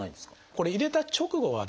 これ入れた直後はですね